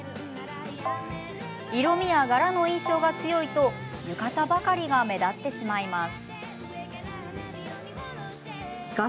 色みや柄の印象が強いと浴衣ばかりが目立ってしまいます。